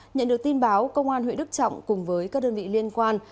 nhận được tin báo công an huyện đức trọng cùng với các đơn vị liên quan